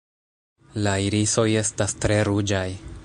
La irisoj estas tre ruĝaj.